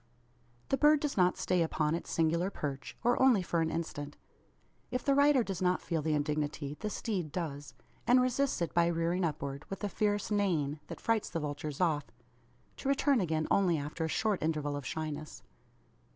The bird does not stay upon its singular perch, or only for an instant. If the rider does not feel the indignity the steed does; and resists it by rearing upward, with a fierce neighing, that frights the vultures off to return again only after a short interval of shyness.